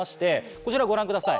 こちらご覧ください。